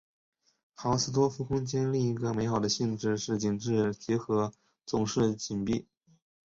豪斯多夫空间另一个美好的性质是紧致集合总是闭集。